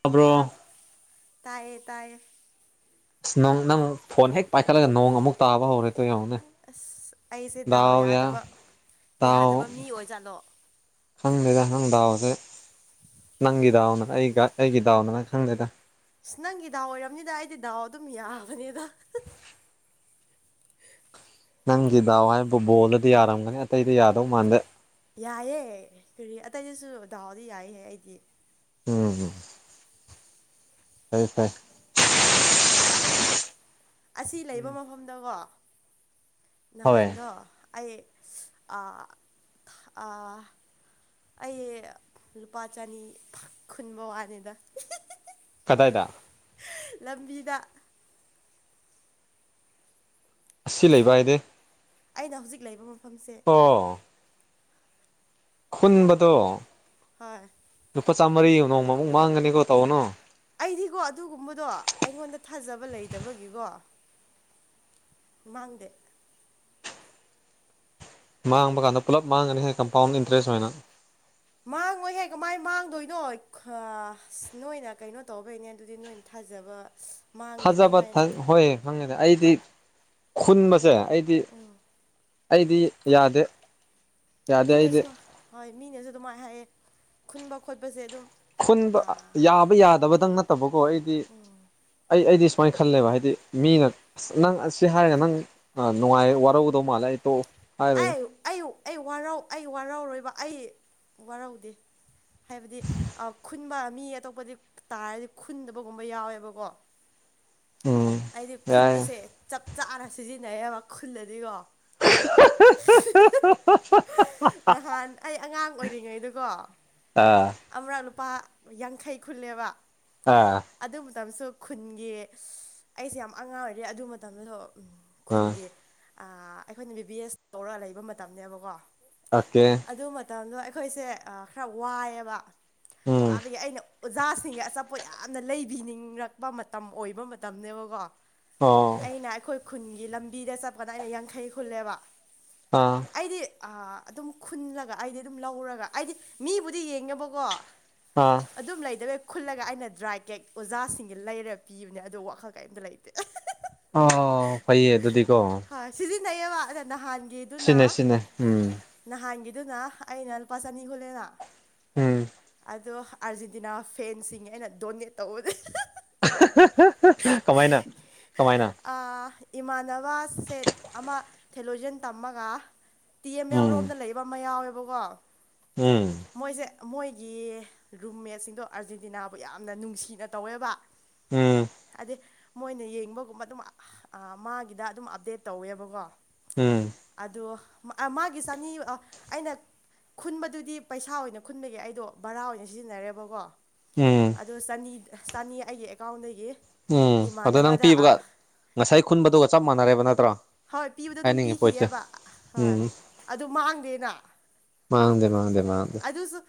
ꯇꯥꯕ꯭ꯔꯣ ꯇꯥꯛ ꯇꯥꯏꯌꯦ ꯇꯥꯏꯌꯦ ꯑꯁ ꯅꫭꯡ ꯅꯪ ꯐꯣꯟ ꯍꯦꯛ ꯄꯥꯏꯈꯠꯂꯒ ꯅꯣꯡ ꯑꯃꯨꯛ ꯇꯥꯕ ꯍꯧꯔꯦ ꯇꯣ ꯌꯦꯡꯉꯣꯅꯦ ꯑꯁ ꯑꯩꯁꯦ ꯗꯥꯎ ꯌꯥ ꯌꯥꯗꯕ ꯇꯥꯎ ꯌꯥꯗꯕ ꯃꯤ ꯑꯣꯏꯖꯥꯠꯂꯣ ꯈꯪꯗꯦꯗ ꯅꯪ ꯗꯥꯎꯁꯦ ꯅꯪꯒꯤ ꯗꯥꯎꯅ ꯑꯩꯒ ꯑꯩꯒꯤ ꯗꯥꯎꯅꯔꯥ ꯈꯪꯗꯦꯗ ꯑꯁ ꯅꯪꯒꯤ ꯗꯥꯎ ꯑꯣꯏꯔꯝꯅꯤꯗ ꯑꯩꯗꯤ ꯗꯥꯎ ꯑꯗꯨꯝ ꯌꯥꯕꯅꯦꯗ ꯅꯪꯒꯤ ꯗꯥꯎ ꯍꯥꯏꯔꯤꯕꯨ ꯕꯣꯜꯗꯗꯤ ꯌꯥꯔꯝꯒꯅꯤ ꯑꯇꯩꯗꯤ ꯌꯥꯗꯧ ꯃꯥꯟꯗꯦ ꯌꯥꯏꯌꯦ ꯀꯔꯤ ꯑꯇꯩꯗꯁꯨ ꯗꯥꯎꯗꯤ ꯌꯥꯏꯍꯦ ꯑꯩꯗꯤ ꯎꯝ꯫ ꯐꯩꯌꯦ ꯐꯩ ꯅꯍꯥꯟ ꯑꯁꯤ ꯂꯩꯕ ꯎꯝ ꯃꯐꯝꯗꯀꯣ ꯍꯣꯏ ꯅꯍꯥꯟꯗꯣ ꯑꯩ ꯑ ꯑ ꯑꯩ ꯂꯨꯄꯥ ꯆꯅꯤ ꯐꯥ ꯈꯨꯟꯕ ꯋꯥꯅꯤꯗ ꯀꯗꯥꯥꯏꯗ ꯂꯝꯕꯤꯗ ꯑꯁꯤ ꯂꯩꯕ ꯍꯥꯏꯗꯤ ꯑꯩꯅ ꯍꯧꯖꯤꯛ ꯂꯩꯕ ꯃꯐꯝꯁꯦ ꯑꯣ ꯈꯨꯟꯕꯗꯣ ꯍꯣꯏ ꯂꯨꯄꯥ ꯆꯥꯝꯃꯔꯤ ꯅꯣꯡꯃꯨꯛ ꯃꯥꯡꯒꯅꯤꯀꯣ ꯇꯧꯒꯅꯨ ꯑꯩꯗꯤꯀꯣ ꯑꯗꯨꯒꯨꯝꯕꯗꯣ ꯑꯩꯉꯣꯟꯗ ꯊꯥꯖꯕ ꯂꯩꯇꯕꯒꯤꯀꯣ ꯃꯥꯡꯗꯦ ꯃꯥꯡꯕ ꯀꯥꯟꯗ ꯄꯨꯂꯞ ꯃꯥꯡꯒꯅꯤꯍꯦ ꯀꯝꯄꯥꯎꯟ ꯏꯟꯇ꯭ꯔꯦꯁ ꯑꯣꯏꯅ ꯃꯥꯡꯉꯣꯏꯍꯦ ꯀꯃꯥꯏ ꯃꯥꯡꯗꯣꯏꯅꯣ ꯈꯥ ꯅꯣꯏꯅ ꯀꯩꯅꯣ ꯇꯧꯕꯩꯅꯦ ꯑꯗꯨꯗꯤ ꯅꯣꯏꯅ ꯊꯥꯖꯕ ꯁ ꯊꯥꯖꯕ ꯍꯣꯏ ꯈꯪꯉꯦꯅꯦ ꯑꯩꯗꯤ ꯈꯨꯟꯕꯁꯦ ꯑꯩꯗꯤ ꯑꯩꯗꯤ ꯌꯥꯗꯦ ꯌꯥꯗꯦ ꯑꯩꯗꯤ ꯃꯤꯅꯁꯨ ꯍꯣꯏ ꯃꯤꯅꯁꯨ ꯑꯗꯨꯃꯥꯏꯅ ꯍꯥꯏꯌꯦ ꯈꯨꯟꯕ ꯈꯣꯠꯄꯁꯦ ꯑꯗꯨꯝ ꯈꯨꯟꯕ ꯑꯥ, ꯌꯥꯕ ꯌꯥꯗꯕꯗꯪ ꯅꯠꯇꯕꯀꯣ ꯑꯩꯗꯤ ꯑꯩ ꯑꯩꯗꯤ ꯁꯨꯃꯥꯏꯅ ꯈꯜꯂꯦꯕ ꯍꯥꯏꯗꯤ ꯃꯤꯅ ꯑꯁ ꯅꯪ ꯑꯁꯤ ꯍꯥꯏꯔꯒ ꯅꯪ ꯅꯨꯡꯉꯥꯏ ꯋꯥꯔꯧꯒꯗꯧ ꯃꯥꯜꯂꯦ ꯑꯩ ꯇꯣꯛꯑꯦ ꯍꯥꯏꯔꯣꯏ ꯑꯩꯌꯨꯛ ꯑꯩ ꯌꯨ ꯑꯩ ꯋꯥꯔꯧ ꯑꯩ ꯋꯥꯔꯧꯔꯣꯏꯕ ꯑꯩ ꯋꯥꯔꯧꯗꯦ ꯍꯥꯏꯕꯗꯤ ꯑꯥ ꯈꯨꯟꯕ ꯃꯤ ꯑꯇꯣꯞꯄꯗꯤ ꯇꯥꯔꯗꯤ ꯈꯨꯟꯗꯕꯒꯨꯝꯕ ꯌꯥꯎꯋꯦꯕꯀꯣ [inaudible] ꯑꯩꯗꯤ ꯌꯥꯏ ꯈꯨꯟꯕꯁꯦ ꯆꯞ ꯆꯥꯅ ꯁꯤꯖꯤꯟꯅꯩꯌꯦꯕ ꯈꯨꯜꯂꯗꯤꯀꯣ ꯈꯍꯥ ꯍꯥ ꯍ ꯍꯥ ꯍꯥ ꯍ ꯅꯍꯥꯟ ꯑꯩ ꯑꯉꯥꯡ ꯑꯣꯏꯔꯤꯉꯩꯗꯀꯣ ꯑꯥ ꯑꯃꯔꯛ ꯂꯨꯄꯥ ꯌꯥꯡꯈꯩ ꯈꯨꯜꯂꯦꯕ ꯑꯥ ꯑꯗꯨ ꯃꯇꯝꯁꯨ ꯈꯨꯟꯒꯤ ꯑꯩꯁꯦ ꯌꯥꯝ ꯑꯉꯥꯡ ꯑꯣꯏꯔꯤ ꯑꯗꯨ ꯃꯇꯝꯗꯁꯨ ꯑꯥ ꯈꯨꯟꯒꯤ ꯑꯥ ꯑꯩꯈꯣꯏꯅ ꯕꯤ ꯕꯤ ꯑꯦꯁ ꯇꯧꯔ ꯂꯩꯕ ꯃꯇꯝꯅꯦꯕꯀꯣ ꯑꯣꯀꯦ ꯑꯗꯨ ꯃꯇꯝꯗꯣ ꯑꯩꯈꯣꯏꯁꯦ ꯑꯥ ꯈꯔ ꯋꯥꯏꯑꯦꯕ ꯎꯝ ꯋꯥꯕꯒꯤ ꯑꯩꯅ ꯑꯣꯖꯥꯁꯤꯡꯒꯤ ꯑꯆꯥꯄꯣꯠ ꯌꯥꯝꯅ ꯂꯩꯕꯤꯅꯤꯡꯂꯛꯄ ꯃꯇꯝ ꯑꯣꯏꯕ ꯃꯇꯝꯅꯦꯕꯀꯣ ꯑꯣ ꯑꯩꯅ ꯑꯩꯈꯣꯏ ꯈꯨꯟꯒꯤ ꯂꯝꯕꯤꯗ ꯆꯠꯄꯗ ꯑꯩꯅ ꯌꯥꯡꯈꯩ ꯈꯨꯜꯂꯦꯕ ꯑꯥ ꯑꯩꯗꯤ ꯑꯥ ꯑꯗꯨꯝ ꯈꯨꯜꯂꯒ ꯑꯩꯗꯤ ꯑꯗꯨꯝ ꯂꯧꯔꯒ ꯑꯩꯗꯤ ꯃꯤꯕꯨꯗꯤ ꯌꯦꯡꯉꯦꯕꯀꯣ ꯑꯥ ꯑꯗꯨꯝ ꯂꯩꯗꯕꯩ ꯈꯨꯜꯂꯒ ꯑꯩꯅ ꯗ꯭ꯔꯥꯏ ꯀꯦꯛ ꯑꯣꯖꯥꯁꯤꯡꯒꯤ ꯂꯩꯔ ꯄꯤꯕꯅꯦ ꯑꯗꯨ ꯋꯥꯈꯜ ꯀꯩꯝꯇ ꯂꯩꯇꯦ ꯑꯍꯥ ꯍ ꯍ ꯑꯣ ꯐꯩꯌꯦ ꯑꯗꯨꯗꯤꯀꯣ ꯁꯤꯖꯤꯟꯅꯩꯌꯦꯕ ꯑꯗ ꯅꯍꯥꯟꯒꯤ ꯁꯤꯅꯦ ꯁꯤꯅꯦ ꯎꯝ ꯅꯍꯥꯟꯒꯤꯗꯨꯅ ꯑꯩꯅ ꯂꯨꯄꯥ ꯆꯥꯅꯤ ꯈꯨꯜꯂꯦꯅ ꯎꯨꯝ ꯑꯗꯣ ꯑꯥꯔꯖꯦꯟꯇꯤꯅꯥ ꯐꯦꯟꯁꯤꯡꯒꯤ ꯑꯩꯅ ꯗꯣꯅꯦꯠ ꯇꯧꯕꯅꯦ ꯍꯥ ꯍ ꯍ ꯍ ꯀꯃꯥꯏꯅ ꯀꯃꯥꯏꯅ ꯑꯥ ꯏꯃꯥꯟꯅꯕ ꯁꯦꯠ ꯑꯃ ꯊꯦꯂꯣꯖꯟ ꯇꯝꯃꯒ ꯇꯤ ꯑꯦꯝ ꯌꯥꯎꯔꯣꯝꯗ ꯂꯩꯕ ꯑꯃ ꯌꯥꯎꯑꯦꯕꯀꯣ ꯎꯨꯝ ꯃꯣꯏꯁꯦ ꯃꯣꯏꯒꯤ ꯔꯨꯝꯃꯦꯠꯁꯤꯡꯗꯣ ꯑꯥꯔꯖꯦꯟꯇꯤꯅꯥꯕꯨ ꯌꯥꯝꯅ ꯅꯨꯡꯁꯤꯅ ꯇꯧꯋꯦꯕ ꯎꯝ ꯑꯗꯤ ꯃꯣꯏꯅ ꯌꯦꯡꯕꯒꯨꯝꯕ ꯑꯗꯨꯝ ꯑꯥꯍ ꯃꯥꯒꯤꯗ ꯑꯗꯨꯝ ꯑꯞꯗꯦꯠ ꯇꯧꯋꯦꯕꯀꯣ ꯎꯝ ꯑꯗꯣ ꯃꯥ ꯑꯥ ꯃꯥꯒꯤ ꯆꯅꯤ ꯑꯥ ꯑꯩꯅ ꯈꯨꯟꯕꯗꯨꯗꯤ ꯄꯩꯁꯥ ꯑꯣꯏꯅ ꯈꯨꯟꯕꯒꯤ ꯑꯩꯗꯣ ꯕꯥꯔꯥ ꯑꯣꯏꯅ ꯁꯤꯖꯤꯟꯅꯔꯦꯕꯀꯣ ꯎꯝ ꯑꯗꯣ ꯆꯅꯤ ꯆꯅꯤ ꯑꯩꯒꯤ ꯑꯦꯀꯥꯎꯟꯗꯒꯤ ꯎꯝ ꯑꯗꯣ ꯅꯪ ꯏꯃꯥꯟꯅꯕꯗ ꯄꯤꯕꯒ ꯑꯥ ꯉꯁꯥꯏ ꯈꯨꯟꯕꯗꯨꯒ ꯆꯞ ꯃꯥꯟꯅꯔꯦꯕ ꯅꯠꯇ꯭ꯔꯥ ꯍꯣꯏ ꯄꯤꯕꯗꯣ ꯑꯗꯨꯝ ꯍꯥꯏꯅꯤꯡꯉꯤ ꯄꯣꯏꯠꯁꯦ ꯄꯤꯈꯤꯑꯕ ꯍꯣꯏ ꯑꯗꯨ ꯃꯥꯡꯗꯦꯅ ꯃꯥꯥꯡꯗꯦ ꯃꯥꯥꯡꯗꯦ ꯃꯥꯥꯡꯗꯦ ꯑꯗꯨꯁꯨ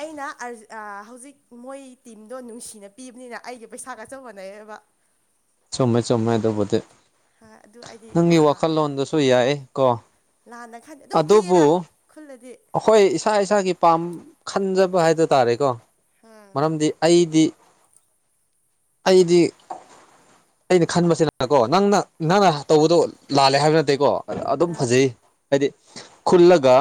ꯑꯩꯅ ꯑꯥꯔꯖ ꯑꯥ ꯍꯧꯖꯤꯛ ꯃꯣꯏ ꯇꯤꯝꯗꯣ ꯅꯨꯡꯁꯤꯅ ꯄꯤꯕꯅꯤꯅ ꯑꯩꯒꯤ ꯄꯩꯁꯥꯒ ꯆꯞ ꯃꯥꯟꯅꯩꯑꯕ [inaudible] ꯆꯨꯝꯃꯦ ꯆꯨꯝꯃꯦ ꯑꯗꯨꯕꯨꯗꯤ ꯍꯣꯏ ꯑꯗꯨ ꯑꯩꯗꯤ ꯅꯪꯒꯤ ꯑ, ꯋꯥꯈꯜꯂꯣꯟꯗꯨꯁꯨ ꯌꯥꯏ ꯀꯣ ꯂꯥꯟꯅ ꯈꯥꯟꯗꯦ ꯑꯗꯨꯝ ꯄꯤꯌꯦꯗ ꯈꯨꯜꯂꯗꯤ ꯑꯈꯣꯏ ꯏꯁꯥ ꯏꯁꯥꯒꯤ ꯄꯥꯝ ꯈꯟꯖꯕ ꯍꯥꯏꯗꯣ ꯇꯥꯔꯦꯀꯣ ꯍꯣꯏ ꯃꯔꯝꯗꯤ ꯑꯩꯗꯤ ꯑꯩꯗꯤ ꯑꯩꯅ ꯈꯟꯕꯁꯤꯗꯅꯀꯣ ꯅꯪꯅ ꯅꯪꯅ ꯇꯧꯕꯗꯣ ꯂꯥꯜꯂꯦ ꯍꯥꯏꯕ ꯅꯠꯇꯦꯀꯣ ꯑꯥ ꯑꯗꯨꯝ ꯐꯖꯩ ꯍꯥꯏꯗꯤ ꯈꯨꯜꯂꯒ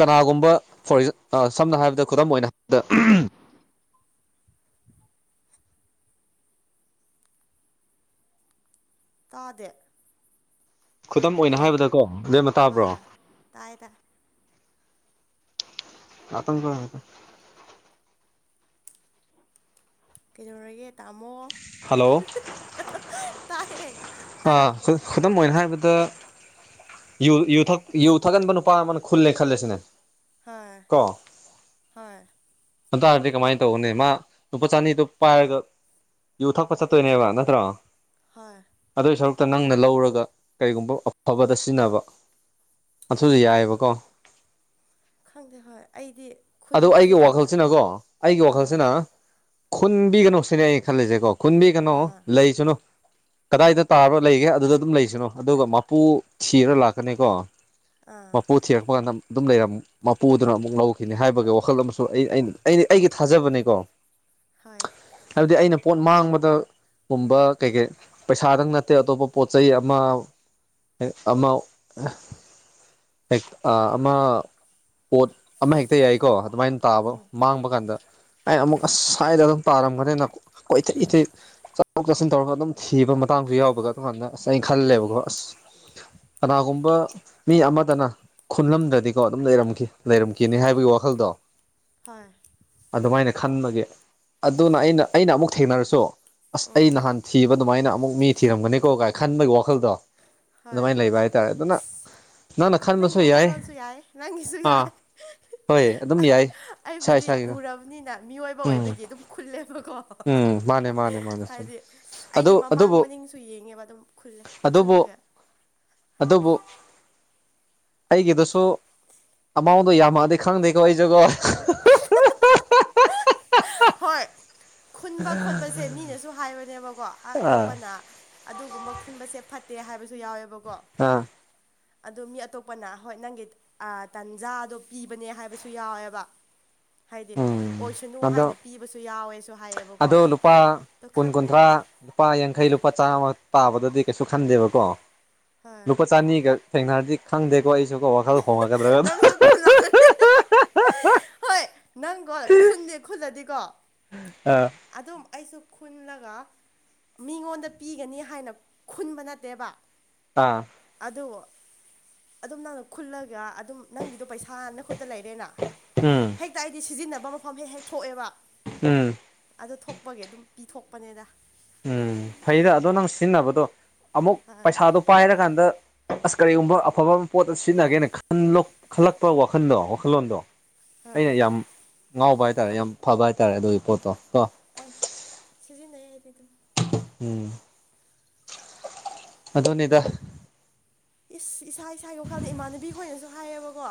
ꯀꯅꯥꯒꯨꯝꯕ ꯐꯣꯔꯑꯦꯖꯥ ꯑꯥ ꯁꯝꯅ ꯍꯥꯏꯔꯕꯗ ꯈꯨꯗꯝ ꯑꯣꯏꯅ ꯍꯥꯏꯔꯕꯗ ꯎꯝ ꯇꯥꯗꯦ ꯈꯨꯗꯝ ꯑꯣꯏꯅ ꯍꯜꯂꯣ ꯍꯥꯏꯕꯗꯀꯣ ꯑꯕꯦꯝꯃ ꯇꯥꯕ꯭ꯔꯣ ꯍꯣꯏ ꯇꯥꯏ ꯇꯥꯏ ꯉꯥꯇꯪ ꯄꯥꯏ ꯉꯥꯇꯪ ꯀꯩꯗꯧꯔꯒꯦ ꯇꯥꯃꯣ ꯍꯜꯂꯣ ꯇꯥꯏꯌꯦ ꯍꯥ ꯍꯥꯏꯌꯣ ꯈꯨ ꯈꯨꯗꯝ ꯑꯣꯏꯅ ꯍꯥꯏꯔꯕꯗ ꯌꯨꯨ ꯌꯨ ꯊꯛ ꯌꯨ ꯊꯛꯒꯟꯕ ꯅꯨꯄꯥ ꯑꯃꯅ ꯈꯨꯜꯂꯦ ꯈꯜꯂꯁꯤꯅꯦ ꯍꯣꯏ ꯍꯣꯏ ꯑꯇꯥꯔꯗꯤ ꯀꯃꯥꯏꯟ ꯇꯧꯒꯥꯅꯤ ꯃꯥ ꯂꯨꯄꯥ ꯆꯥꯅꯤꯗꯨ ꯄꯥꯏꯔꯒ ꯌꯨ ꯊꯛꯄ ꯆꯠꯇꯣꯏꯅꯦꯕ ꯅꯠꯇ꯭ꯔꯣ ꯍꯣꯏ ꯑꯗꯨꯏ ꯁꯔꯨꯛꯇꯥ ꯅꯪꯅ ꯂꯧꯔꯒ ꯀꯩꯒꯨꯝꯕ ꯑꯐꯕꯗ ꯁꯤꯖꯤꯟꯅꯕ ꯑꯟꯊꯨꯗꯨ ꯌꯥꯏꯑꯕꯀꯣ ꯈꯪꯗꯦ ꯍꯣꯏ ꯑꯩꯗꯤ ꯑꯗꯣ ꯑꯩꯒꯤ ꯈꯨꯟꯕꯁꯦ ꯋꯥꯈꯜꯁꯤꯅꯀꯣ ꯑꯩꯒꯤ ꯑꯥ ꯋꯥꯈꯜꯁꯤꯅ ꯈꯨꯟꯕꯤꯒꯅꯨꯁꯤꯅꯦ ꯑꯩꯅ ꯈꯜꯂꯤꯖꯦꯀꯣ ꯈꯨꯟꯕꯤ ꯒꯥꯅꯣ ꯑꯥ ꯂꯩꯁꯅꯨ ꯀꯗꯥꯏꯗ ꯇꯥꯕ ꯂꯩꯒꯦ ꯑꯗꯨꯗ ꯑꯗꯨꯝ ꯂꯩꯁꯅꯣ ꯑꯗꯨꯒ ꯃꯄꯨ ꯊꯤꯔ ꯂꯥꯛꯀꯥꯅꯤ ꯀꯣ ꯑꯥ ꯃꯥꯄꯨ ꯊꯤꯔꯛꯄ ꯀꯥꯟꯗ ꯑꯗꯨꯝ ꯂꯩꯔꯝ ꯃꯥꯄꯨꯗꯨꯅ ꯑꯃꯨꯛ ꯂꯧ [unintelligible] ꯍꯥꯏꯕꯒꯤ ꯋꯥꯈꯜ ꯑꯃꯁꯨ ꯑꯩ ꯑꯩꯅꯤ ꯑꯩꯒꯤ ꯊꯥꯖꯕꯅꯤꯀꯣ ꯍꯣꯏ ꯍꯥꯏꯕꯗꯤ ꯑꯩꯅ ꯄꯣꯠ ꯃꯥꯡꯕꯗ ꯒꯨꯝꯕ ꯀꯩ ꯀꯩ ꯄꯩꯁꯥꯗꯪ ꯅꯠꯇꯦ ꯑꯇꯣꯞꯄ ꯄꯣꯠ ꯆꯩꯩ ꯑꯃ ꯑꯦ ꯑꯃ ꯑꯥ ꯑꯦꯛ ꯑꯥ ꯑꯃ ꯄꯣꯠ ꯑꯃ ꯍꯦꯛꯇꯥ ꯌꯥꯏꯀꯣ ꯑꯗꯨꯃꯥꯏꯟ ꯇꯥꯕ ꯎꯝ ꯃꯥꯡꯕ ꯀꯥꯟꯗ ꯑꯦ ꯑꯃꯨꯛ ꯑꯁ ꯁꯥꯏꯗ ꯗꯨꯝ ꯇꯥꯔꯝꯒꯅꯤꯅ ꯀꯣꯏ ꯊꯤ ꯊꯤ ꯆꯠꯊꯣꯛ ꯆꯠꯁꯤꯟ ꯇꯧꯔꯒ ꯑꯗꯨꯝ ꯊꯤꯕ ꯃꯇꯥꯡꯁꯨ ꯌꯥꯎꯕꯒ ꯑꯗꯨꯀꯥꯟꯗ ꯑꯁ ꯑꯩ ꯈꯜꯂꯦꯕꯀꯣ ꯑꯁ ꯀꯅꯥꯒꯨꯝꯕ ꯃꯤ ꯑꯃꯗꯅ ꯈꯨꯟꯂꯝꯗ꯭ꯔꯗꯤꯀꯣ ꯑꯗꯨꯝ ꯂꯩꯔꯝꯈꯤ ꯂꯩꯔꯝ ꯀꯤꯅꯤ ꯍꯥꯏꯕꯒꯤ ꯋꯥꯈꯜꯗꯣ ꯍꯣꯏ ꯑꯗꯨꯃꯥꯏꯅ ꯈꯟꯕꯒꯤ ꯑꯗꯨꯅ ꯑꯩꯅ ꯑꯩꯅ ꯑꯃꯨꯛ ꯊꯦꯡꯅꯔꯁꯨ ꯑꯁ ꯑꯩ ꯎꯝ ꯅꯍꯥꯟ ꯊꯤꯕ ꯑꯗꯨꯃꯥꯏꯅ ꯑꯃꯨꯛ ꯃꯤ ꯊꯤꯔꯝꯒꯅꯤꯀꯣ ꯀꯥꯏ ꯈꯟꯕꯒꯤ ꯋꯥꯈꯜꯗꯣ ꯍꯣꯏ ꯑꯗꯨꯃꯥꯏꯅ ꯂꯩꯕ ꯍꯥꯏꯇꯥꯔꯦ ꯑꯗꯨꯅ ꯅꯪꯅ ꯅꯪꯒꯤ ꯈꯟꯕꯁꯨ ꯌꯥꯏ ꯋꯥꯈꯜꯂꯣꯟꯁꯨ ꯌꯥꯏ ꯅꯪꯒꯤꯁꯨ ꯑꯥ ꯌꯥꯏ ꯍꯣꯏ ꯑꯗꯨꯝ ꯑꯩ ꯌꯥꯏ ꯏꯁꯥ ꯑꯩꯕꯨꯗꯤ ꯏꯁꯥꯒꯤꯗ ꯎꯔꯕꯅꯤꯅ ꯃꯤꯑꯣꯏꯕ ꯎꯝ ꯑꯣꯏꯕꯒꯤ ꯑꯗꯨꯝ ꯈꯨꯜꯂꯦꯕꯀꯣ ꯎꯝ ꯃꯥꯅꯦ ꯃꯥꯅꯦ ꯃꯥꯅꯦ ꯆꯨꯝ ꯍꯥꯏꯗꯤ ꯑꯩꯒꯤ ꯑꯗꯨ ꯃꯃꯥꯡ ꯑꯗꯨꯕꯨ ꯃꯅꯤꯡꯁꯨ ꯌꯦꯡꯉꯦꯕ ꯑꯗꯨꯝ ꯈꯨꯜꯂꯦ ꯑꯗꯨꯕꯨ ꯈꯨꯜꯂꯒ ꯑꯗꯨꯕꯨ ꯑꯩꯒꯤꯗꯁꯨ ꯑꯃꯥꯎꯟ ꯗꯨ ꯌꯥꯝꯃꯛ ꯑꯗꯤ ꯈꯪꯗꯦꯀꯣ ꯑꯩꯖꯨꯀꯣ ꯍꯣꯏ ꯈꯨꯟꯕ ꯈꯣꯠꯄꯁꯦ ꯃꯤꯅꯁꯨ ꯍꯥꯏꯕꯅꯦꯕꯀꯣ ꯑꯥ ꯑꯇꯣꯞꯄꯅ ꯑꯗꯨꯒꯨꯝꯕ ꯈꯨꯟꯕꯁꯦ ꯐꯠꯇꯦ ꯍꯥꯏꯕꯁꯨ ꯌꯥꯎꯋꯦꯕꯀꯣ ꯑꯥ ꯑꯗꯣ ꯃꯤ ꯑꯇꯣꯞꯄꯅ ꯍꯣꯏ ꯅꯪꯒꯤ ꯑꯥ ꯇꯟꯖꯥꯗꯣ ꯄꯤꯕꯅꯦ ꯍꯥꯏꯕꯁꯨ ꯌꯥꯎꯋꯦꯕ ꯍꯥꯏꯗꯤ ꯎꯝ ꯑꯣꯏꯁꯅꯨ ꯑꯗꯣ ꯍꯥꯏꯅ ꯄꯤꯕꯁꯨ ꯌꯥꯎꯋꯦꯁꯨ ꯍꯥꯏꯌꯦꯕꯀꯣ ꯂꯨꯄꯥ ꯑꯗꯣ ꯀꯨꯟ ꯈꯪꯗꯦ ꯀꯨꯟꯊ꯭ꯔꯥ ꯂꯨꯄꯥ ꯌꯥꯡꯈꯩ ꯂꯨꯄꯥ ꯆꯥꯝꯃ ꯇꯥꯕꯗꯗꯤ ꯀꯩꯁꯨ ꯈꯟꯗꯦꯕꯀꯣ ꯍꯣꯏ ꯆꯅꯤꯒ ꯊꯦꯡꯅꯔꯗꯤ ꯈꯪꯗꯦꯀꯣ ꯑꯩꯁꯀꯣ ꯋꯥꯈꯜ ꯍꯣꯡꯉꯛꯒꯗ꯭ꯔ ꯅꯪꯁꯨ [unintelligible] ꯈꯨꯜꯂꯛꯀꯅꯤ ꯅꯪꯒꯣ ꯈꯨꯟꯅꯦ ꯈꯨꯜꯂꯗꯤꯀꯣ ꯑꯥ ꯑꯗꯨꯝ ꯑꯩꯁꯨ ꯈꯨꯟꯂꯒ ꯃꯤꯉꯣꯟꯗ ꯄꯤꯒꯅꯤ ꯍꯥꯏꯅ ꯈꯨꯟꯕ ꯅꯠꯇꯦꯕ ꯑꯥ ꯑꯗꯣ ꯑꯗꯨꯝ ꯅꯪꯅ ꯈꯨꯜꯂꯒ ꯑꯗꯨꯝ ꯅꯪꯒꯤ ꯑꯗꯨ ꯄꯩꯁꯥ ꯅꯈꯨꯠꯇ ꯂꯩꯔꯦꯅ ꯎꯝ ꯍꯦꯛꯇ ꯑꯩꯗꯤ ꯁꯤꯖꯤꯟꯅꯕ ꯃꯐꯝ ꯍꯦꯛ ꯍꯦꯛ ꯊꯣꯛꯑꯦꯕ ꯎꯝ ꯑꯗꯨ ꯊꯣꯛꯄꯒꯤ ꯑꯗꯨꯝ ꯄꯤꯊꯣꯛꯄꯅꯦꯗ ꯎꯝ ꯐꯩꯗ ꯑꯗꯣ ꯅꯪ ꯁꯤꯖꯤꯟꯅꯕꯗꯣ ꯑꯃꯨꯛ ꯑꯥ ꯄꯩꯁꯥꯗꯣ ꯄꯥꯏꯔꯀꯥꯟꯗ ꯑꯁ ꯀꯔꯤꯒꯨꯝꯕ ꯑꯐꯕ ꯄꯣꯠꯇ ꯁꯤꯖꯤꯟꯅꯒꯦꯅ ꯈꯟꯂꯣꯛ ꯈꯟꯂꯛꯄ ꯋꯥꯈꯟꯗꯣ ꯋꯥꯈꯟꯂꯣꯟꯗꯣ ꯑꯥ ꯑꯩꯅ ꯌꯥꯝ ꯉꯥꯎꯕ ꯍꯥꯏꯇꯥꯔꯦ ꯌꯥꯝ ꯐꯕ ꯍꯥꯏꯇꯥꯔꯦ ꯑꯗꯨꯏ ꯄꯣꯠꯇꯣ ꯀꯣ ꯑꯩ ꯁꯤꯖꯤꯟꯅꯩ ꯑꯩꯗꯤ ꯑꯗꯨꯝ ꯎꯝ ꯥꯑꯗꯨꯅꯤꯗ ꯏꯁ ꯏꯁꯥ ꯏꯁꯥꯒꯤ ꯋꯥꯈꯜꯗ ꯏꯃꯥꯟꯅꯕꯤ ꯈꯣꯏꯅꯁꯨ ꯍꯥꯏꯌꯦꯕꯀꯣ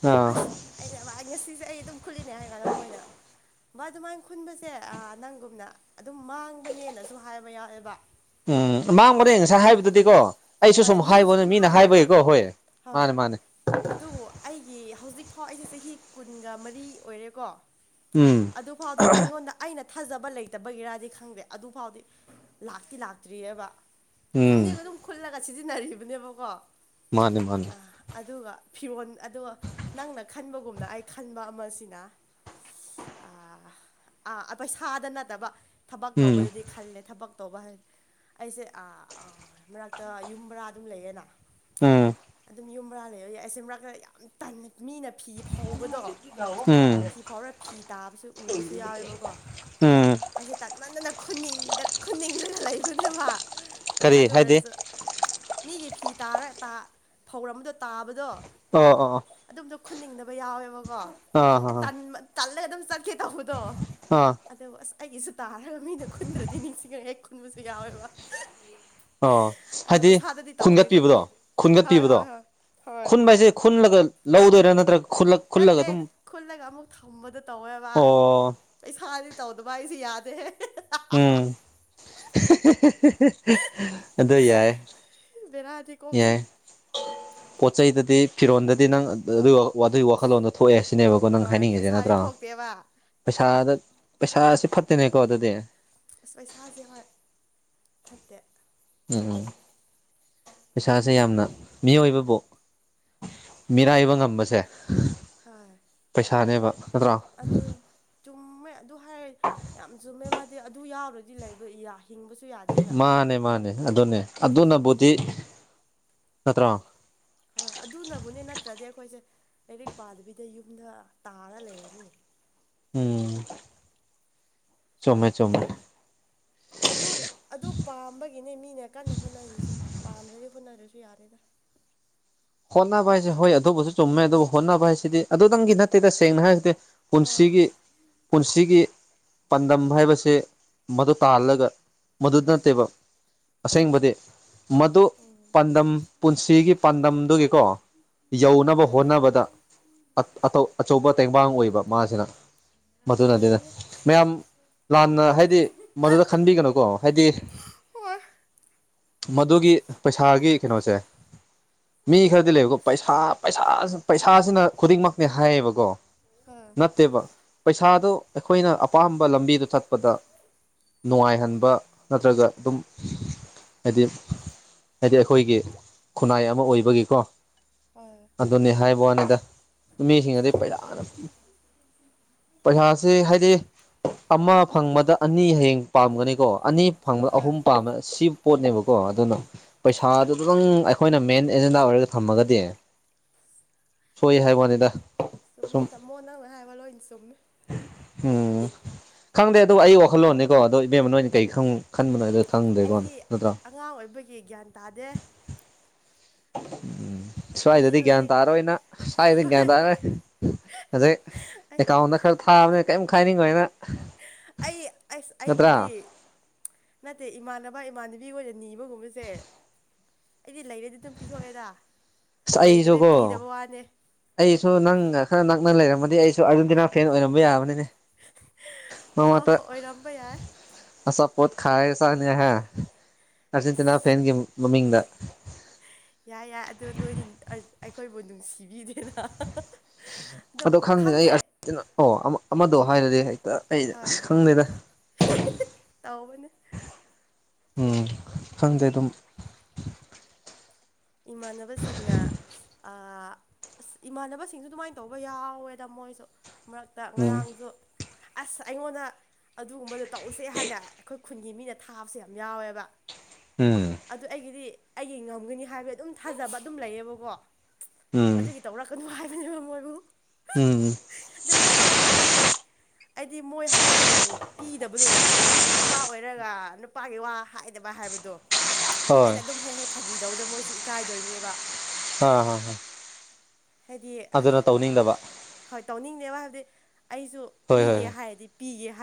ꯑꯥ ꯑꯁ ꯑꯩꯅ ꯚꯥꯏ ꯉꯁꯤꯁꯦ ꯑꯩ ꯑꯗꯨꯝ ꯈꯨꯟꯂꯤꯅꯦ ꯍꯥꯏꯔ ꯀꯥꯟꯗ ꯃꯣꯏꯅ ꯕꯥꯏ ꯑꯗꯨꯃꯥꯏꯟ ꯈꯨꯟꯕꯁꯦ ꯑꯥ ꯅꯪꯒꯨꯝꯅ ꯑꯗꯨꯝ ꯃꯥꯡꯕꯅꯦꯅꯁꯨ ꯍꯥꯏꯕ ꯌꯥꯎꯋꯦꯕ ꯎꯝ ꯃꯥꯡꯕꯅꯦ ꯉꯁꯥꯏ ꯍꯥꯏꯕꯗꯨꯗꯤꯀꯣ ꯑꯩꯁꯨ ꯍꯣꯏ ꯁꯨꯝ ꯃꯤꯅꯁꯨ ꯍꯥꯏꯕꯅꯦ ꯑꯗꯨꯝ ꯃꯤꯅ ꯍꯥꯏꯌꯦꯕ ꯍꯥꯏꯕꯒꯤꯀꯣ ꯍꯣꯏ ꯍꯣꯏ ꯃꯥꯅꯦ ꯃꯥꯅꯦ ꯑꯗꯨꯕꯨ ꯑꯩꯒꯤ ꯍꯧꯖꯤꯛ ꯐꯥꯎ ꯑꯩꯁꯦ ꯆꯍꯤ ꯀꯨꯟꯒ ꯃꯔꯤ ꯑꯣꯏꯔꯦꯀꯣ ꯎꯝ ꯑꯗꯨ ꯐꯥꯎꯗꯤ ꯑꯩꯉꯣꯟꯗ ꯑꯩꯅ ꯊꯥꯖꯕ ꯂꯩꯇꯕꯒꯤꯔꯗꯤ ꯈꯪꯗꯦ ꯑꯗꯨꯐꯥꯎꯗꯤ ꯂꯥꯛꯇꯤ ꯂꯥꯛꯇ꯭ꯔꯤꯌꯦꯕ ꯈꯨꯟꯗꯤ ꯎꯝ ꯑꯗꯨꯝ ꯈꯨꯜꯂꯒ ꯁꯤꯖꯤꯟꯅꯔꯤꯕꯅꯦꯕꯀꯣ ꯃꯥꯅꯦ ꯃꯥꯅꯦ ꯑꯥ ꯑꯗꯨꯒ ꯐꯤꯔꯣꯟ ꯑꯗꯣ ꯅꯪꯅ ꯈꯟꯕꯒꯨꯝꯅ ꯑꯩ ꯈꯟꯕ ꯑꯃꯁꯤꯅ ꯑꯥ ꯑꯥ ꯑ ꯄꯩꯁꯥꯗ ꯅꯠꯇꯕ ꯊꯕꯛ ꯎꯝ ꯇꯧꯕꯗꯗꯤ ꯈꯜꯂꯦ ꯊꯕꯛ ꯇꯧꯕ ꯍꯥꯏ ꯑꯩꯁꯦ ꯑꯥ ꯑ ꯃꯔꯛꯇ ꯌꯨꯝ ꯕꯔꯥ ꯑꯗꯨꯝ ꯂꯩꯌꯦꯅꯥ ꯎꯝ ꯑꯗꯨꯝ ꯌꯨꯝ ꯕꯔꯥ ꯂꯩꯕꯒꯤ ꯑꯩꯁꯦ ꯃꯔꯛꯇ ꯌꯥꯝ ꯇꯟꯅ ꯃꯤꯅ ꯐꯤ ꯐꯧꯕꯗꯣ [unintelligible] ꯎꯝ ꯐꯤ ꯐꯥꯎꯔ ꯐꯤ ꯇꯥꯕꯁꯨ ꯎꯕꯁꯨ ꯌꯥꯎꯋꯦꯕꯀꯣ ꯎꯝ ꯑꯩꯁꯦ ꯇꯠꯃꯟꯗꯅ ꯈꯨꯅꯤꯡꯗ ꯈꯨꯟꯅꯤꯡꯗ꯭ꯔꯒ ꯂꯩꯕꯅꯦꯕꯥ ꯀꯔꯤ ꯑꯗꯨ ꯍꯥꯏꯗꯤ ꯑꯣꯏꯔꯁꯨ ꯃꯤꯒꯤ ꯐꯤ ꯇꯥꯔ ꯇꯥ ꯐꯧꯔꯝꯕꯗꯣ ꯇꯥꯕꯗꯣ ꯑꯣ ꯑꯣ ꯑꯗꯨꯝꯗꯣ ꯈꯨꯟꯅꯤꯡꯅꯕ ꯌꯥꯎꯋꯦꯕꯀꯣ ꯑꯣ ꯑꯥ ꯑꯦ ꯑꯥ ꯇꯟꯕ ꯇꯜꯂꯦ ꯑꯗꯨꯝ ꯆꯠꯀꯦ ꯇꯧꯕꯗꯣ ꯑꯥ ꯑꯗꯕꯨ ꯑꯁ ꯑꯩꯒꯤꯁꯨ ꯇꯥꯔꯒ ꯃꯤꯅ ꯈꯨꯟꯗ꯭ꯔꯗꯤ ꯅꯤꯡꯁꯤꯡꯉ ꯍꯦꯛ ꯈꯨꯟꯕꯁꯨ ꯌꯥꯎꯋꯦꯕ ꯑ ꯑꯗꯣ ꯍꯥꯏꯗꯤ ꯄꯩꯁꯥꯗꯗꯤ ꯇꯧꯗꯦ ꯈꯨꯟꯒꯠꯄꯤꯕꯗꯣ ꯈꯪꯗꯦ ꯍꯣꯏ ꯈꯨꯟꯒꯠꯄꯤꯕꯗꯣ ꯍꯣꯏ ꯍꯣꯏ ꯍꯣꯏ ꯈꯨꯟꯕ ꯍꯥꯏꯁꯦ ꯈꯨꯟꯂꯒ ꯂꯧꯗꯣꯏꯔꯥ ꯅꯠꯇ꯭ꯔ ꯅꯠꯇꯦ ꯈꯨꯜꯂꯒ ꯑꯃꯨꯛ ꯊꯝꯕꯗꯣ ꯇꯧꯋꯦꯕꯥ ꯑꯣ ꯄꯩꯁꯥꯗꯤ ꯇꯧꯗꯕ ꯑꯩꯁꯦ ꯌꯥꯗꯦꯍꯦ ꯎꯝ [unintelligible] ꯑꯗꯣ ꯌꯥꯏ ꯕꯦꯔꯥꯗꯤ ꯀꯣꯛꯁꯦ ꯌꯥꯏ ꯄꯣꯠ ꯆꯩꯗꯗꯤ ꯐꯤꯔꯣꯟꯗꯗꯤ ꯅꯪ ꯑꯗꯨ ꯑꯗꯨꯏ ꯋꯥꯈꯜꯂꯣꯟꯗꯣ ꯊꯣꯛꯑꯦ ꯁꯤꯅꯦꯕꯀꯣ ꯅꯪ ꯍꯣꯏ ꯍꯥꯏꯅꯤꯡꯉꯤꯁꯦ ꯄꯩꯁꯥꯗꯤ ꯅꯠꯇ꯭ꯔꯥ ꯊꯣꯛꯇꯦꯕ ꯄꯩꯁꯥꯗ ꯄꯩꯁꯥꯥꯁꯦ ꯐꯠꯇꯦꯅꯦꯀꯣ ꯑꯗꯨꯗꯤ ꯑꯁ ꯄꯩꯁꯥꯁꯦ ꯍꯣꯏ ꯐꯠꯇꯦ ꯎꯝ ꯎꯝ ꯄꯩꯁꯥꯁꯦ ꯌꯥꯝꯅ ꯃꯤꯑꯣꯏꯕꯕꯨ ꯃꯤꯔꯥꯏꯕ ꯉꯝꯕꯁꯦ ꯍꯣꯏ ꯄꯩꯁꯥꯅꯦꯕ ꯅꯠꯇ꯭ꯔꯣ ꯑꯗꯨ ꯆꯨꯝꯃꯦ ꯑꯗꯨ ꯍꯥꯏꯔ ꯌꯥꯝ ꯆꯨꯝꯃꯦ ꯃꯥꯗꯤ ꯑꯗꯨ ꯌꯥꯎꯗ꯭ꯔꯗꯤ ꯂꯩꯕ ꯌꯥ ꯍꯤꯡꯕꯁꯨ ꯌꯥ ꯃꯥꯅꯦ ꯃꯥꯅꯦ ꯑꯗꯨꯅꯦ ꯑꯗꯨꯅꯕꯨꯗꯤ ꯅꯠꯇ꯭ꯔꯣ ꯍꯣꯏ ꯑꯗꯨꯅꯕꯨꯅꯦ ꯅꯠꯇ꯭ꯔꯗꯤ ꯑꯩꯈꯣꯏꯁꯦ ꯂꯥꯏꯔꯤꯛ ꯄꯥꯗꯕꯤꯗ ꯌꯨꯝꯗ ꯇꯥꯔ ꯂꯩꯔꯅꯤ ꯎꯝ ꯆꯨꯝꯃꯦ ꯆꯨꯝꯃꯦ ꯑꯗꯨ ꯑꯗꯨ ꯄꯥꯝꯕꯒꯤꯅꯦ ꯃꯤꯅ ꯀꯟꯅ ꯍꯣꯠꯅꯔꯤꯁꯦ ꯄꯥꯝꯗ꯭ꯔꯗꯤ ꯍꯣꯠꯅꯗ꯭ꯔꯁꯨ ꯌꯥꯔꯦꯗ [inaudible] ꯍꯣꯠꯅꯕ ꯍꯥꯏꯁꯦ ꯅꯠꯇ꯭ꯔꯥ ꯍꯣꯏ ꯑꯗꯨꯕꯨꯁꯨ ꯆꯨꯝꯃꯦ ꯑꯗꯨꯕꯨ ꯍꯣꯠꯅꯕ ꯍꯥꯏꯁꯤꯗꯤ ꯑꯗꯨꯗꯪꯒꯤ ꯅꯠꯇꯦꯗ ꯁꯦꯡꯅ ꯍꯥꯏꯔꯒꯗꯤ ꯍꯣꯏ ꯄꯨꯟꯁꯤꯒꯤ ꯄꯨꯟꯁꯤꯒꯤ ꯄꯥꯟꯗꯝ ꯍꯥꯏꯕꯁꯦ ꯃꯗꯨ ꯇꯥꯍꯜꯂꯒ ꯃꯗꯨ ꯅꯠꯇꯦꯕ ꯑꯁꯦꯡꯕꯗꯤ ꯃꯗꯨ ꯎꯝ ꯄꯥꯟꯗꯝ ꯄꯨꯟꯁꯤꯒꯤ ꯄꯥꯟꯗꯝ ꯑꯗꯨꯒꯤꯀꯣ ꯌꯧꯅꯕ ꯍꯣꯏꯅꯦ ꯍꯣꯠꯅꯕꯗ ꯑꯠ ꯑꯇꯧ ꯑꯆꯧꯕ ꯇꯦꯡꯕꯥꯡ ꯑꯣꯏꯕ ꯃꯥꯁꯤꯅ ꯃꯗꯨꯅꯗꯤꯅ ꯑꯣꯏꯕꯅꯤ ꯃꯌꯥꯝ ꯂꯥꯟꯅ ꯍꯥꯏꯗꯤ ꯃꯗꯨꯗ ꯈꯟꯕꯤꯒꯅꯨꯀꯣ ꯍꯥꯏꯗꯤ ꯍꯣꯏ ꯃꯗꯨꯒꯤ ꯄꯩꯁꯥꯒꯤ ꯀꯩꯅꯣꯁꯦ ꯃꯤ ꯈꯔꯗꯤ ꯂꯩꯕꯀꯣ ꯄꯩꯁꯥ ꯄꯩꯁꯥ ꯄꯩꯁꯥꯁꯤꯅ ꯈꯨꯗꯤꯡꯃꯛꯅꯦ ꯍꯥꯏꯌꯦꯕꯀꯣ ꯍꯥꯥ ꯅꯠꯇꯦꯕ ꯄꯩꯁꯥꯗꯣ ꯑꯩꯈꯣꯏꯅ ꯑꯄꯥꯝꯕ ꯂꯝꯕꯤꯗ ꯆꯠꯄꯗ ꯅꯨꯡꯉꯥꯏꯍꯟꯕ ꯅꯠꯇ꯭ꯔꯒ ꯑꯗꯨꯝ ꯍꯥꯏꯗꯤ ꯍꯥꯏꯗꯤ ꯑꯩꯈꯣꯏꯒꯤ ꯈꯨꯟꯅꯥꯏ ꯑꯃ ꯑꯣꯏꯕꯒꯤꯀꯣ꯫ ꯍꯣꯏ꯫ ꯑꯗꯨꯅꯤ ꯍꯥꯏꯕ ꯋꯥꯅꯤꯗ ꯃꯤꯁꯤꯡꯅꯗꯤ ꯈꯪ ꯄꯩꯔꯥꯅ ꯄꯩꯁꯥꯥꯁꯦ ꯍꯥꯏꯗꯤ ꯑꯃ ꯐꯪꯕꯗ ꯑꯅꯤ ꯍꯌꯦꯡ ꯄꯥꯝꯒꯅꯤꯀꯣ ꯑꯅꯤ ꯐꯪꯕꯗ ꯍꯣꯏ ꯑꯍꯨꯝ ꯄꯥꯝꯕ ꯁꯤ ꯄꯣꯠꯅꯦꯕꯀꯣ ꯑꯗꯨꯅ ꯄꯩꯁꯥꯗꯨꯗꯪ ꯑꯩꯈꯣꯏꯅ ꯃꯦꯟ ꯑꯦꯖꯦꯟꯗꯥ ꯑꯣꯏꯔꯒ ꯊꯝꯃꯒꯗꯤ ꯁꯣꯏ ꯍꯥꯏꯕꯋꯥꯅꯤꯗ꯫ ꯆꯨꯝꯃꯤ ꯇꯝꯃꯣ ꯅꯪꯅ ꯍꯥꯏꯕ ꯂꯣꯏꯅ ꯆꯨꯝꯃꯤ꯫ ꯎꯝ ꯈꯪꯗꯦ ꯑꯗꯨ ꯑꯩ ꯋꯥꯈꯜꯂꯣꯟꯅꯤꯀꯣ ꯑꯗꫭ ꯏꯕꯦꯝꯃꯅꯣꯏ ꯀꯩ ꯈꯪ ꯈꯟꯕꯅꫭꯏꯗ ꯈꯪꯗ꯭ꯔꯦꯀꯣ ꯑꯩꯗꯤ ꯅꯠꯇ꯭ꯔꫭ꯫ ꯑꯉꯥꯡ ꯑꯣꯏꯕꯒꯤ ꯒ꯭ꯌꯥꯟ ꯇꯥꯗꯦ꯫ ꯎꯝ ꯍꯧꯖꯤꯛ ꯁ꯭ꯋꯥꯏꯗꯗꯤ ꯒ꯭ꯌꯥꯟ ꯍꯧꯖꯤꯛ ꯇꯥꯔꯣꯏꯅꯪ ꯁ꯭ꯋꯥꯏꯗꯗꯤ ꯍꯣꯏ ꯒ꯭ꯌꯥꯟ ꯇꯥꯔꯣꯏ꯫ ꯍꯧꯖꯤꯛ ꯑꯩ ꯑꯦꯀꯥꯎꯟꯗ ꯈꯔ ꯊꯥꯕꯅꯤꯅ ꯀꯔꯤꯝ ꯈꯥꯏꯅꯤꯡꯉꯣꯏ ꯅꯪ꯫ ꯑꯩ ꯑꯩꯁ ꯑꯩꯕꯨꯗꯤ ꯅꯠꯇꯦ ꯏꯃꯥꯟꯅꯕ ꯏꯃꯥꯟꯅꯕꯤ ꯒꫭꯏꯏꯅ ꯅꯤꯕꯒꯨꯝꯕꯁꯦ ꯑꯩꯗꯤ ꯂꯩꯔꯗꯤ ꯑꯗꯨꯝ ꯄꯤꯊꯣꯛꯑꯦꯗ ꯑꯁ ꯂꯩꯗꯕꯩ ꯑꯩꯁꯨꯀꯣ ꯄꯤꯗꯕ ꯋꯥꯅꯦ꯫ ꯑꯩꯁꯨ ꯅꯪ ꯈꯔ ꯅꯛꯅ ꯂꯩꯔꯝꯃꯗꯤ ꯑꯩꯁꯨ ꯑꯥꯔꯖꯦꯟꯇꯤꯅꯥ ꯐꯦꯟ ꯑꯣꯏꯔꯝꯕ ꯌꯥꯕꯅꯤꯅꯦ꯫ ꯃꯔꯛ ꯑꯣ ꯃꯔꯛꯇ ꯑꯣꯏꯔꯝꯕ ꯌꯥꯏ ꯑꯆꯥꯞ ꯄꯣꯠ ꯈꯥꯏꯔꯒ ꯆꯥꯒꯅꯤ ꯍꯥ ꯑꯥꯔꯖꯦꯟꯇꯤꯅꯥ ꯏꯁ ꯐꯦꯟꯒꯤ ꯃꯃꯤꯡꯗ꯫ ꯌꯥꯏ ꯌꯥꯏ ꯑꯗꯨ ꯅꯣꯏꯗꯤ ꯑꯩꯈꯣꯏꯕꯨ ꯅꯨꯡꯁꯤꯕꯤꯗꯦꯅ꯫ [unintelligible] ꯑꯗꯣ ꯈꯪꯗꯦꯅꯦ ꯑꯩ ꯈꯪꯗꯦ ꯑꯥꯔꯖꯦꯟꯇꯤꯅꯥ ꯑꯣ ꯑꯃꯗꯣ ꯍꯥꯏꯔꯗꯤ ꯍꯦꯛꯇ ꯑꯩ ꯑꯁ ꯍꯣꯏ ꯈꯪꯗꯦꯗ꯫ ꯇꯧꯕꯅꯦ [unintelligible] ꯎꯝ ꯈꯪꯗꯦ ꯑꯗꯨꯝ꯫ ꯏꯃꯥꯟꯅꯕꯁꯤꯡꯅ ꯑ ꯑꯁ ꯏꯃꯥꯟꯅꯕꯁꯤꯡꯁꯨ ꯑꯗꯨꯃꯥꯏꯅ ꯇꯧꯕ ꯌꯥꯎꯋꯦꯗ ꯃꯣꯏꯁꯨ ꯃꯔꯛꯇ ꯎꯝ ꯉꯔꯥꯡꯁꯨ ꯑꯁ ꯑꯩꯉꯣꯟꯗ ꯑꯗꯨꯒꯨꯝꯕꯗꯣ ꯇꯧꯎꯁꯦ ꯍꯥꯏꯅ ꯑꯩꯈꯣꯏ ꯈꯨꯟꯒꯤ ꯃꯤꯅ ꯊꯥꯕꯁꯦ ꯌꯥꯝ ꯌꯥꯎꯋꯦꯕ꯫ ꯎꯝ꯫ ꯑꯗꯨ ꯑꯩꯒꯤꯗꯤ ꯑꯩꯒꯤ ꯉꯝꯒꯅꯤ ꯍꯥꯏꯕꯒꯤ ꯑꯗꯨꯝ ꯊꯥꯖꯕ ꯑꯗꯨꯝ ꯂꯩꯌꯦꯕꯀꯣ ꯎꯝ ꯑꯗꯨꯒꯤ ꯇꯧꯔꯛꯀꯅꯨ ꯍꯥꯏꯕꯅꯦꯕ ꯃꯣꯏꯕꯨ꯫ ꯎꯝ꯫ ꯑꯗꫭ ꯃꯣꯏ ꯉꯝꯗ꯭ꯔꯗꯤ ꯑꯩꯗꯤ ꯃꯣꯏ ꯍꯥꯏꯔꯒ ꯄꯤꯗꯕꯗꯣ ꯌꯥꯗꯦꯕ ꯅꯨꯄꯥ ꯑꯣꯏꯔꯒ ꯅꯨꯄꯥꯒꯤ ꯋꯥ ꯍꯥꯏꯗꯕ ꯍꯥꯏꯕꯗꯨ꯫ ꯍꯣꯏ ꯑꯩꯅ ꯑꯗꯨꯝ ꯍꯦꯛ-ꯍꯦꯛ ꯐꯥꯒꯤꯗꯧꯗ ꯃꯣꯏꯁꯤ ꯏꯀꯥꯏꯗꯣꯏꯅꯦꯕ꯫ ꯍꯥ ꯍꯥ꯫ ꯍꯥꯏꯗꯤ ꯑꯗꯨꯅ ꯑ ꯇꯧꯅꯤꯡꯗꯕ ꯍꯣꯏ ꯇꯧꯅꯤꯡꯅꯦꯕ ꯍꯥꯏꯕꯗꯤ ꯑꯩꯁꯨ ꯍꯣꯏ ꯍꯣꯏ ꯄꯤꯒꯦ ꯍꯥꯏꯔꯗꯤ ꯄꯤꯒꯦ ꯍꯥꯏ